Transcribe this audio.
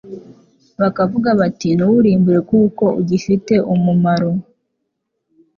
bakavuga bati : ntuwurimbure, kuko ugifite umumaro."